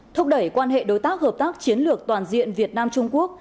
thúc đẩy quan hệ đối tác hợp tác chiến lược toàn diện việt nam trung quốc